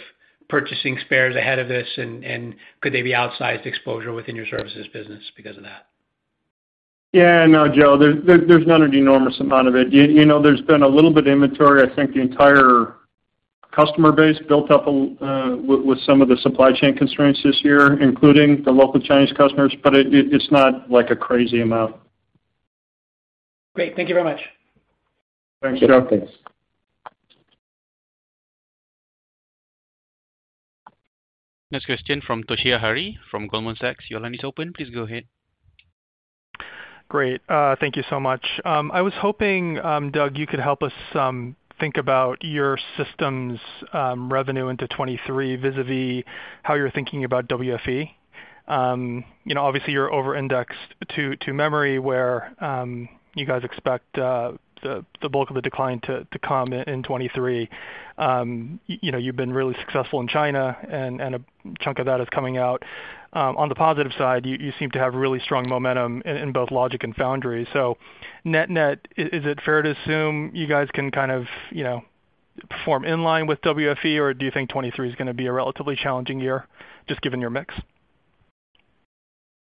purchasing spares ahead of this and could they be outsized exposure within your services business because of that? Yeah. No, Joe, there's not an enormous amount of it. You know, there's been a little bit of inventory. I think the entire customer base built up with some of the supply chain constraints this year, including the local Chinese customers, but it's not like a crazy amount. Great. Thank you very much. Thank you. Sure. Thanks. Next question from Toshiya Hari from Goldman Sachs. Your line is open. Please go ahead. Great. Thank you so much. I was hoping, Doug, you could help us, think about your systems, revenue into 2023 vis-a-vis how you're thinking about WFE. You know, obviously, you're over-indexed to memory where, you guys expect, the bulk of the decline to come in 2023. You know, you've been really successful in China, and a chunk of that is coming out. On the positive side, you seem to have really strong momentum in both logic and foundry. So net-net, is it fair to assume you guys can kind of, you know, perform in line with WFE, or do you think 2023 is gonna be a relatively challenging year just given your mix? Yeah,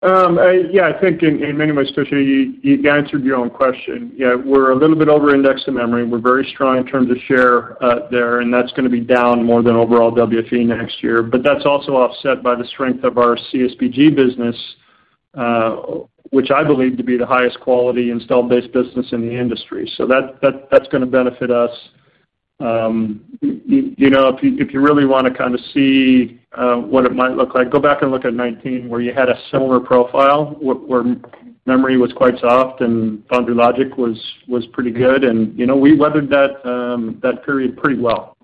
I think in many ways, Toshiya, you answered your own question. Yeah, we're a little bit over-indexed in memory. We're very strong in terms of share there, and that's gonna be down more than overall WFE next year. But that's also offset by the strength of our CSBG business, which I believe to be the highest quality install-based business in the industry. So that's gonna benefit us. You know, if you really wanna kind of see what it might look like, go back and look at 2019, where you had a similar profile, where memory was quite soft and Foundry Logic was pretty good. You know, we weathered that period pretty well.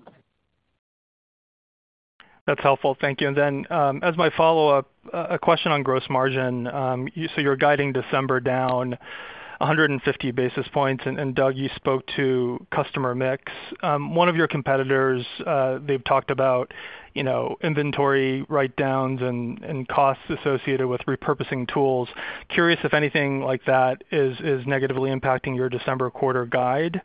That's helpful. Thank you. As my follow-up, a question on gross margin. So you're guiding December down 150 basis points, and Doug, you spoke to customer mix. One of your competitors, they've talked about, you know, inventory write-downs and costs associated with repurposing tools. Curious if anything like that is negatively impacting your December quarter guide.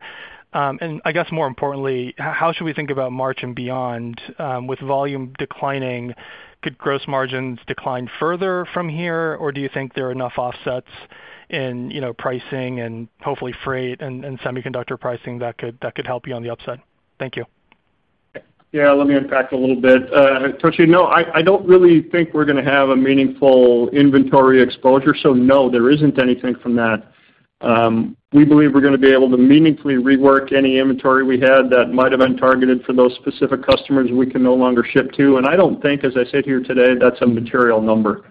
And I guess more importantly, how should we think about March and beyond, with volume declining, could gross margins decline further from here, or do you think there are enough offsets in, you know, pricing and hopefully freight and semiconductor pricing that could help you on the upside? Thank you. Yeah, let me unpack a little bit. Toshiya, no, I don't really think we're gonna have a meaningful inventory exposure, so no, there isn't anything from that. We believe we're gonna be able to meaningfully rework any inventory we had that might have been targeted for those specific customers we can no longer ship to. I don't think, as I sit here today, that's a material number.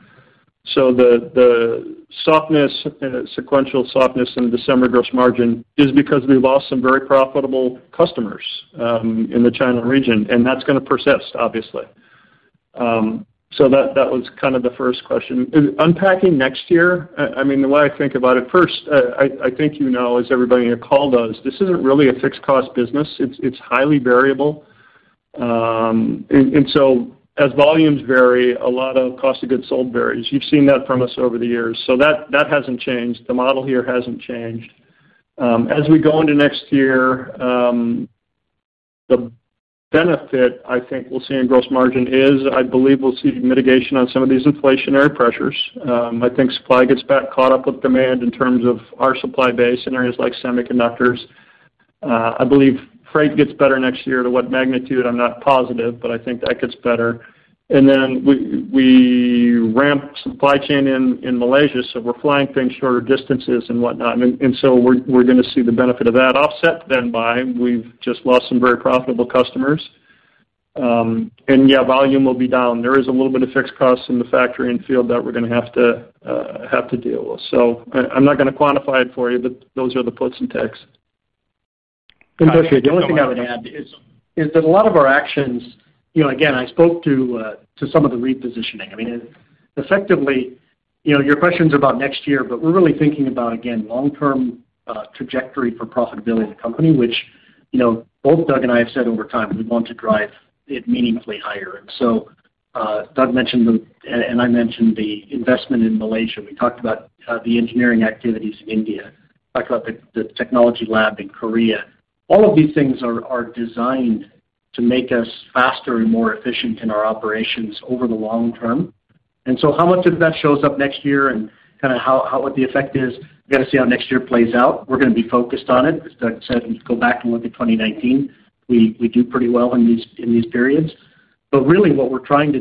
The softness, sequential softness in December gross margin is because we lost some very profitable customers in the China region, and that's gonna persist, obviously. That was kind of the first question. In unpacking next year, I mean, the way I think about it, first, I think you know, as everybody in your call does, this isn't really a fixed cost business. It's highly variable. As volumes vary, a lot of cost of goods sold varies. You've seen that from us over the years. That hasn't changed. The model here hasn't changed. As we go into next year, the benefit I think we'll see in gross margin is I believe we'll see mitigation on some of these inflationary pressures. I think supply gets caught up with demand in terms of our supply base in areas like semiconductors. I believe freight gets better next year. To what magnitude, I'm not positive, but I think that gets better. We ramp supply chain in Malaysia, so we're flying things shorter distances and whatnot. We're gonna see the benefit of that offset then by we've just lost some very profitable customers. Volume will be down. There is a little bit of fixed costs in the factory and field that we're gonna have to deal with. I'm not gonna quantify it for you, but those are the puts and takes. Toshiya, the only thing I would add is that a lot of our actions, you know, again, I spoke to to some of the repositioning. I mean, effectively, you know, your question's about next year, but we're really thinking about, again, long-term trajectory for profitability in the company, which, you know, both Doug and I have said over time, we want to drive it meaningfully higher. Doug mentioned the and I mentioned the investment in Malaysia. We talked about the engineering activities in India. Talked about the technology lab in Korea. All of these things are designed to make us faster and more efficient in our operations over the long term. How much of that shows up next year and kind of how what the effect is, we gotta see how next year plays out. We're gonna be focused on it. As Doug said, go back and look at 2019. We do pretty well in these periods. Really, what we're trying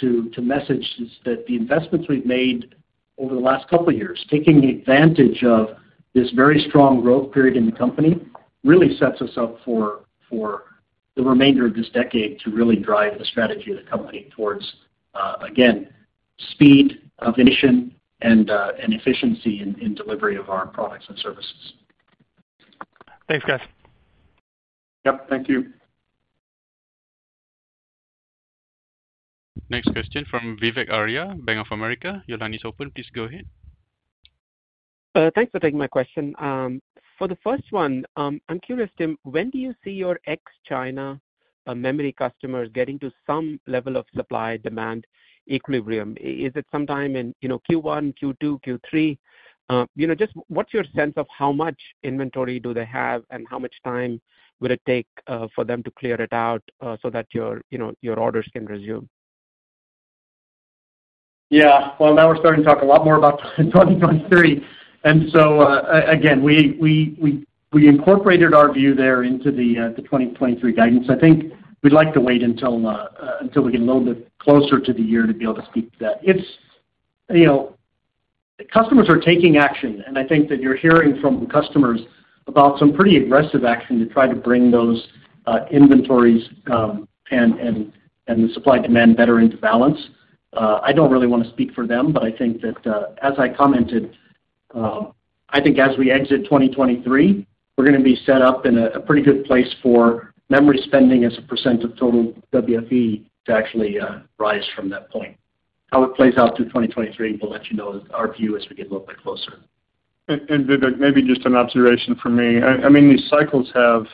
to message is that the investments we've made over the last couple of years, taking advantage of this very strong growth period in the company, really sets us up for the remainder of this decade to really drive the strategy of the company towards, again, speed, ambition, and efficiency in delivery of our products and services. Thanks, guys. Yep, thank you. Next question from Vivek Arya, Bank of America. Your line is open. Please go ahead. Thanks for taking my question. For the first one, I'm curious, Tim, when do you see your ex-China memory customers getting to some level of supply-demand equilibrium? Is it sometime in, you know, Q1, Q2, Q3? You know, just what's your sense of how much inventory do they have, and how much time would it take for them to clear it out so that your, you know, your orders can resume? Yeah. Well, now we're starting to talk a lot more about 2023. Again, we incorporated our view there into the 2023 guidance. I think we'd like to wait until we get a little bit closer to the year to be able to speak to that. You know, customers are taking action, and I think that you're hearing from customers about some pretty aggressive action to try to bring those inventories and the supply demand better into balance. I don't really wanna speak for them, but I think that, as I commented, I think as we exit 2023, we're gonna be set up in a pretty good place for memory spending as a percent of total WFE to actually rise from that point. How it plays out through 2023, we'll let you know our view as we get a little bit closer. Vivek, maybe just an observation from me. I mean, these cycles have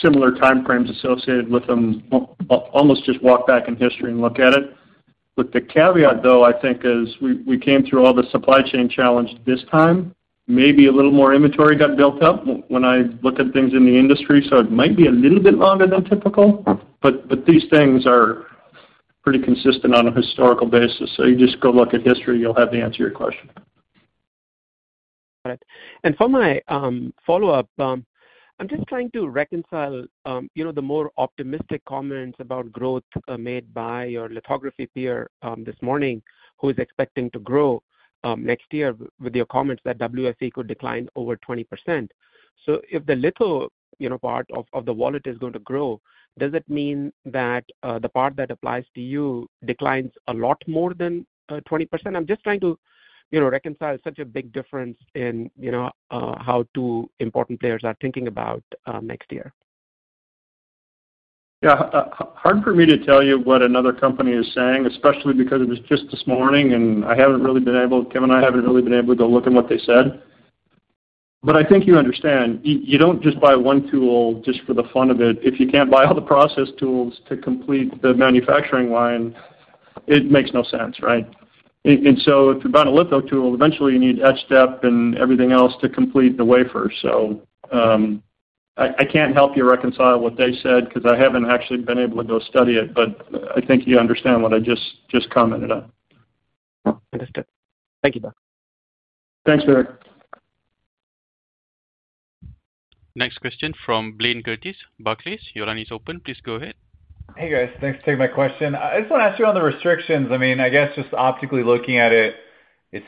similar time frames associated with them. Well, almost just walk back in history and look at it. With the caveat, though, I think is we came through all the supply chain challenge this time, maybe a little more inventory got built up when I look at things in the industry, so it might be a little bit longer than typical, but these things are pretty consistent on a historical basis. You just go look at history, you'll have the answer to your question. Got it. For my follow-up, I'm just trying to reconcile you know, the more optimistic comments about growth made by your lithography peer this morning, who is expecting to grow next year with your comments that WFE could decline over 20%. So if the little you know, part of the wallet is going to grow, does it mean that the part that applies to you declines a lot more than 20%? I'm just trying to you know, reconcile such a big difference in you know, how two important players are thinking about next year. Yeah. Hard for me to tell you what another company is saying, especially because it was just this morning, and Tim and I haven't really been able to go look at what they said. I think you understand, you don't just buy one tool just for the fun of it. If you can't buy all the process tools to complete the manufacturing line, it makes no sense, right? If you buy a litho tool, eventually you need etch step and everything else to complete the wafer. I can't help you reconcile what they said because I haven't actually been able to go study it, but I think you understand what I just commented on. Understood. Thank you. Thanks, Vivek. Next question from Blayne Curtis, Barclays. Your line is open. Please go ahead. Hey, guys. Thanks for taking my question. I just wanna ask you on the restrictions. I mean, I guess just optically looking at it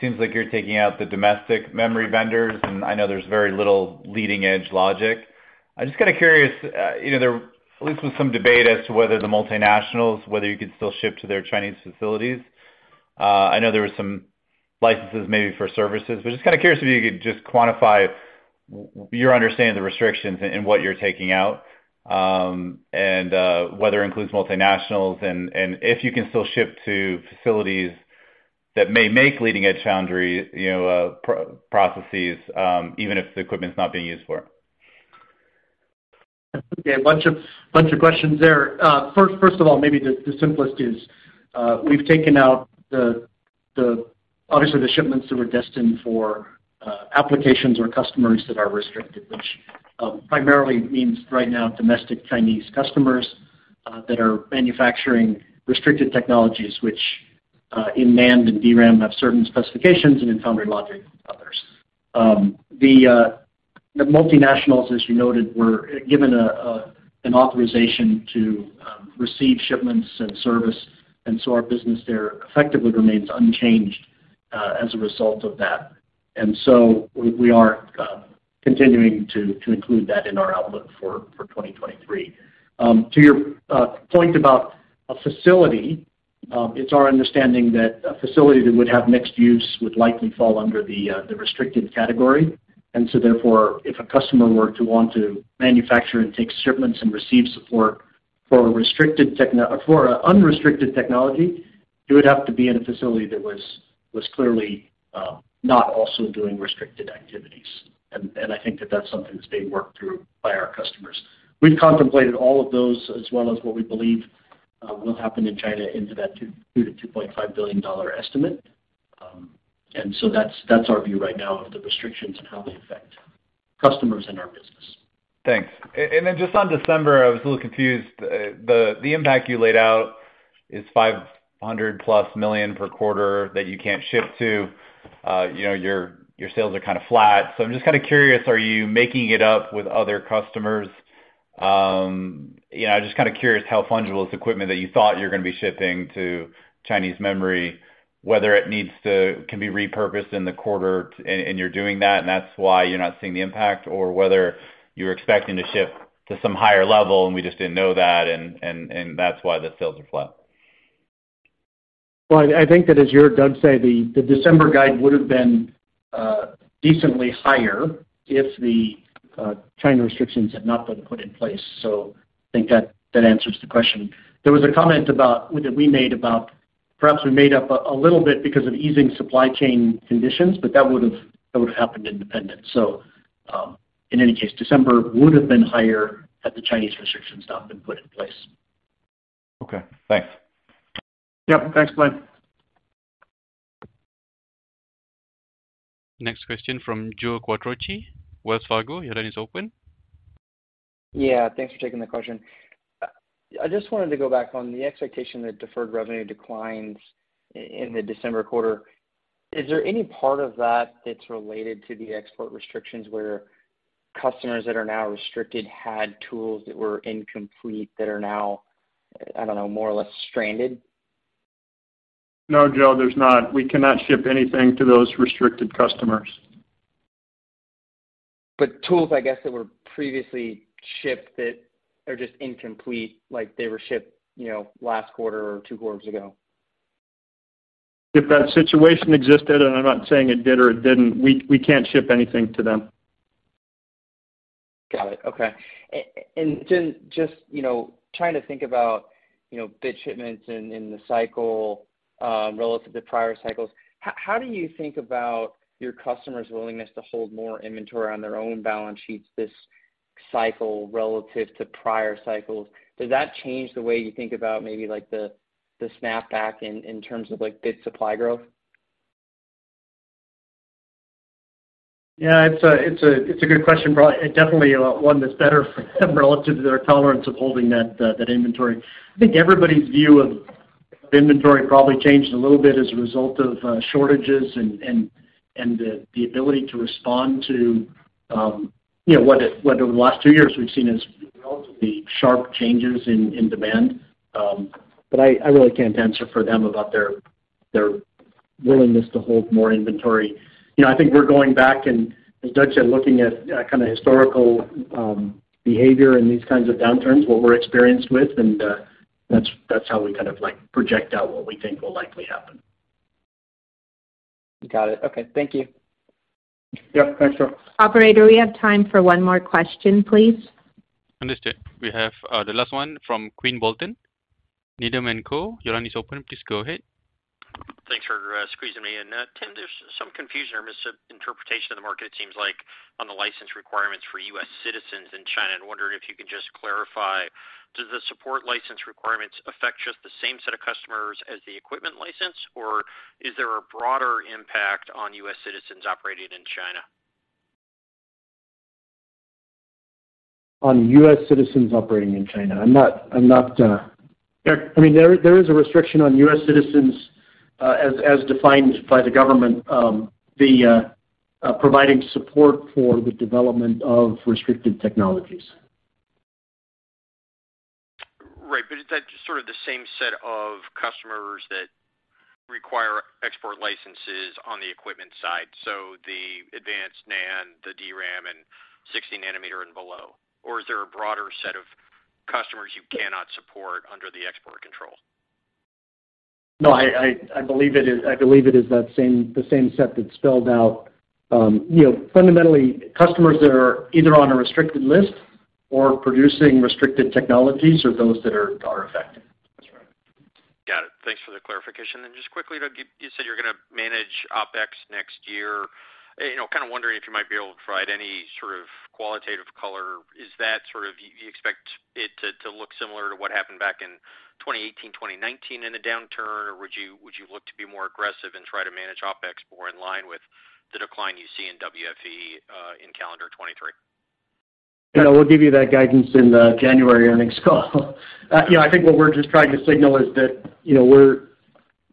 seems like you're taking out the domestic memory vendors, and I know there's very little leading-edge logic. I'm just kind of curious, you know, there at least was some debate as to whether the multinationals, whether you could still ship to their Chinese facilities. I know there were some licenses maybe for services, but just kind of curious if you could just quantify your understanding of the restrictions and what you're taking out, and whether it includes multinationals and if you can still ship to facilities that may make leading-edge foundry proprietary processes, even if the equipment's not being used for it. Yeah. A bunch of questions there. First of all, maybe the simplest is we've taken out the shipments that were destined for applications or customers that are restricted, which primarily means right now domestic Chinese customers that are manufacturing restricted technologies, which in NAND and DRAM have certain specifications and in Foundry Logic others. The multinationals, as you noted, were given an authorization to receive shipments and service, and so our business there effectively remains unchanged as a result of that. We are continuing to include that in our outlook for 2023. To your point about a facility, it's our understanding that a facility that would have mixed use would likely fall under the restricted category. Therefore, if a customer were to want to manufacture and take shipments and receive support for a restricted techno-- for a unrestricted technology, it would have to be in a facility that was clearly not also doing restricted activities. I think that that's something that's being worked through by our customers. We've contemplated all of those as well as what we believe will happen in China into that $2billion-$2.5 billion estimate. That's our view right now of the restrictions and how they affect customers and our business. Thanks. Just on December, I was a little confused. The impact you laid out is $500+ million per quarter that you can't ship to. You know, your sales are kind of flat. I'm just kind of curious, are you making it up with other customers? You know, just kind of curious how fungible this equipment that you thought you were gonna be shipping to Chinese memory, whether it can be repurposed in the quarter and you're doing that, and that's why you're not seeing the impact or whether you're expecting to ship to some higher level, and we just didn't know that and that's why the sales are flat. I think that as you heard Doug say, the December guide would have been decently higher if the China restrictions had not been put in place. I think that answers the question. There was a comment about that we made about perhaps we made up a little bit because of easing supply chain conditions, but that would've happened independent. In any case, December would have been higher had the Chinese restrictions not been put in place. Okay. Thanks. Yep. Thanks, Blayne. Next question from Joe Quattrocchi, Wells Fargo. Your line is open. Yeah. Thanks for taking the question. I just wanted to go back on the expectation that deferred revenue declines in the December quarter. Is there any part of that that's related to the export restrictions where customers that are now restricted had tools that were incomplete that are now, I don't know, more or less stranded? No, Joe, there's not. We cannot ship anything to those restricted customers. tools, I guess, that were previously shipped that are just incomplete, like they were shipped, you know, last quarter or two quarters ago. If that situation existed, and I'm not saying it did or it didn't, we can't ship anything to them. Got it. Okay. Then just, you know, trying to think about, you know, bit shipments in the cycle relative to prior cycles. How do you think about your customers' willingness to hold more inventory on their own balance sheets this cycle relative to prior cycles? Does that change the way you think about maybe like the snapback in terms of like bit supply growth? Yeah, it's a good question, bro. It definitely one that's better for them relative to their tolerance of holding that inventory. I think everybody's view of inventory probably changed a little bit as a result of shortages and the ability to respond to, you know, what over the last two years we've seen is relatively sharp changes in demand. But I really can't answer for them about their willingness to hold more inventory. You know, I think we're going back and, as Doug said, looking at kind of historical behavior in these kinds of downturns, what we're experienced with, and that's how we kind of like project out what we think will likely happen. Got it. Okay. Thank you. Yeah. Thanks, Joe. Operator, we have time for one more question, please. Understood. We have the last one from Quinn Bolton, Needham & Company. Your line is open. Please go ahead. Thanks for squeezing me in. Tim, there's some confusion or misinterpretation in the market, it seems like, on the license requirements for U.S. citizens in China. I'm wondering if you can just clarify, do the support license requirements affect just the same set of customers as the equipment license, or is there a broader impact on U.S. citizens operating in China? On U.S. citizens operating in China. I mean, there is a restriction on U.S. citizens, as defined by the government, providing support for the development of restricted technologies. Right. Is that just sort of the same set of customers that require export licenses on the equipment side? The advanced NAND, the DRAM and 60 nanometer and below. Is there a broader set of customers you cannot support under the export control? No, I believe it is that same set that's spelled out. You know, fundamentally, customers that are either on a restricted list or producing restricted technologies are those that are affected. That's right. Got it. Thanks for the clarification. Just quickly, you said you're gonna manage OpEx next year. You know, kind of wondering if you might be able to provide any sort of qualitative color. Is that sort of you expect it to look similar to what happened back in 2018, 2019 in a downturn? Or would you look to be more aggressive and try to manage OpEx more in line with the decline you see in WFE in calendar 2023? You know, we'll give you that guidance in the January earnings call. You know, I think what we're just trying to signal is that, you know, we're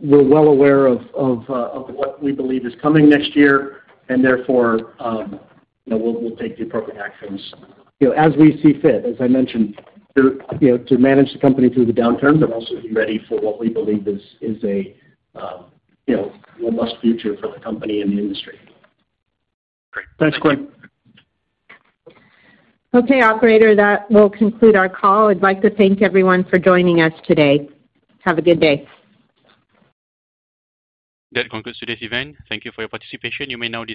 well aware of what we believe is coming next year and therefore, you know, we'll take the appropriate actions, you know, as we see fit. As I mentioned, you know, to manage the company through the downturn, but also be ready for what we believe is a robust future for the company and the industry. Thanks, Quinn. Okay, operator, that will conclude our call. I'd like to thank everyone for joining us today. Have a good day. That concludes today's event. Thank you for your participation. You may now disconnect.